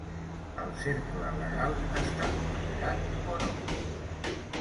El cercle legal està tancat, o no?